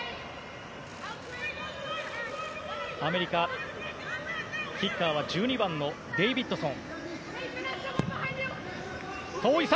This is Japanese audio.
アメリカ、キッカーは１２番のデイビッドソン。